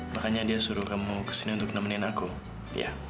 makanya dia suruh kamu kesini untuk nemenin aku